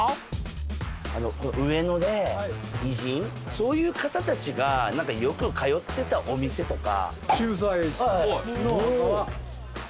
そういう方たちがよく通ってたお店とか。